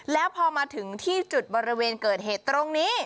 แล้วพอมาถึงที่จุดบริเวณเกิดเหตุตรงนี้